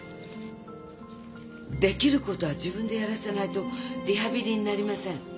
できることは自分でやらせないとリハビリになりません。